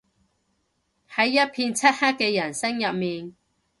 喺一片漆黑嘅人生入面